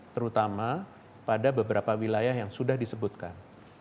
terutama pada beberapa wilayah yang sudah disebutkan